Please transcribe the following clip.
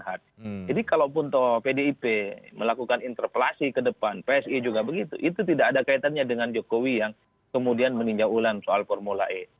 kalaupun pdip melakukan interpelasi ke depan psi juga begitu itu tidak ada kaitannya dengan jokowi yang kemudian meninjau ulang soal formula e